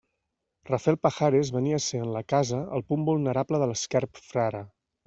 Rafel Pajares venia a ser en la casa el punt vulnerable de l'esquerp Frare.